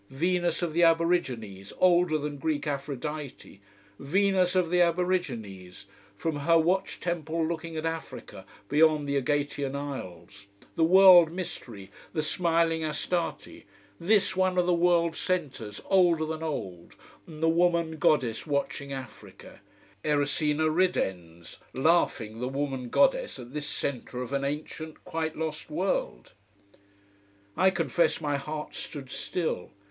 Venus of the aborigines, older than Greek Aphrodite. Venus of the aborigines, from her watch temple looking at Africa, beyond the Egatian isles. The world mystery, the smiling Astarte. This, one of the world centres, older than old! and the woman goddess watching Africa! Erycina ridens. Laughing, the woman goddess, at this centre of an ancient, quite lost world. I confess my heart stood still.